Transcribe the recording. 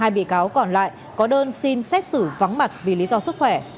hai bị cáo còn lại có đơn xin xét xử vắng mặt vì lý do sức khỏe